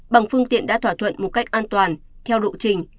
bằng phương tiện đã thỏa thuận một cách an toàn theo độ trình